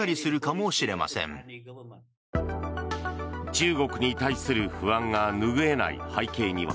中国に対する不安が拭えない背景には